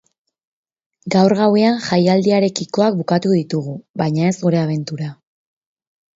Gaur gauean jaialdiarekikoak bukatuko ditugu, baina ez gure abentura.